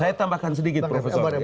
saya tambahkan sedikit profesor